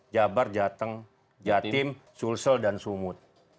jabar jateng jatim sulsel dan sumut